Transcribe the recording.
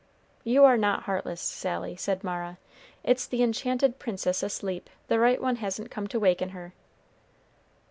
"You are not heartless, Sally," said Mara; "it's the enchanted princess asleep; the right one hasn't come to waken her."